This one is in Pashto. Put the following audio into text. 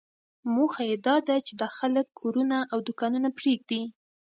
موخه یې داده چې دا خلک کورونه او دوکانونه پرېږدي.